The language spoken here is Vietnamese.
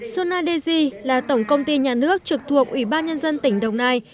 sonadeji là tổng công ty nhà nước trực thuộc ủy ban nhân dân tỉnh đồng nai